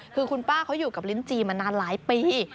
คือคุณป้าเขาอยู่กับลิ้นจีมานานหลายปี